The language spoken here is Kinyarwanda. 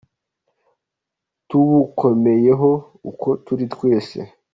Tubukomeyeho uko turi twese.